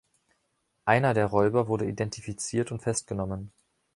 Einer der Räuber wurde identifiziert und festgenommen.